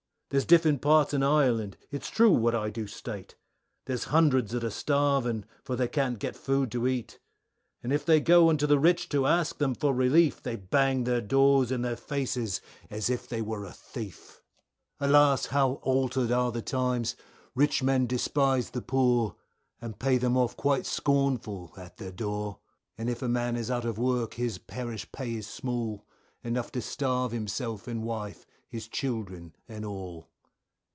There's different parts in Ireland, it is true what I do state, There's hundreds that are starving, for they can't get food to eat, And if they go unto the rich to ask them for relief, They bang their doors in their faces as if they were a thief. Alas! how altered are the times, rich men despise the poor, And pay them off quite scornful at their door, And if a man is out of work his parish pay is small, Enough to starve himself and wife, his children and all.